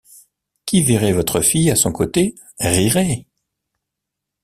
Qui verrait votre fille à son côté, rirait.